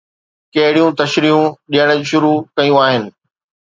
ڪهڙيون تشريحون ڏيڻ شروع ڪيون آهن.